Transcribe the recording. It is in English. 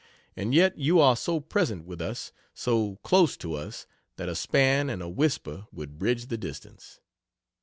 And yet you are so present with us, so close to us that a span and a whisper would bridge the distance.